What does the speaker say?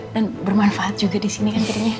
dan bermanfaat juga disini kan kirinya